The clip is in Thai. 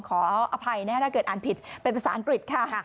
ขออภัยนะถ้าเกิดอ่านผิดเป็นภาษาอังกฤษค่ะ